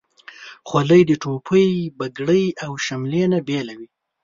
خولۍ د ټوپۍ، پګړۍ، او شملې نه بیله وي.